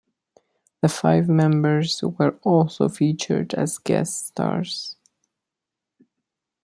The five members were also featured as guest stars.